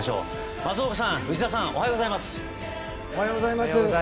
松岡さん、内田さんおはようございます。